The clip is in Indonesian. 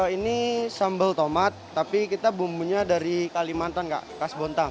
ini sambal tomat tapi kita bumbunya dari kalimantan khas bontang